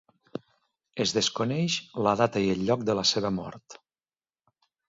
Es desconeix la data i el lloc de la seva mort.